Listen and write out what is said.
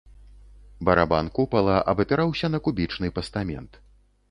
Барабан купала абапіраўся на кубічны пастамент.